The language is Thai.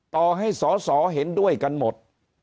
ต่อให้สอสอเห็นด้วยกันหมด